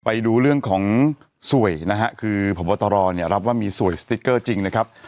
ไปดูเรื่องของสวยนะฮะคือพบตรเนี่ยรับว่ามีสวยสติ๊กเกอร์จริงนะครับ